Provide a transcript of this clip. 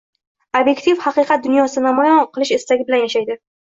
“ob’ektiv haqiqat dunyosida” namoyon qilish istagi bilan yashaydi